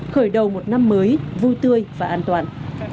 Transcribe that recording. khởi đầu một năm mới vui tươi và an toàn